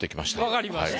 わかりました。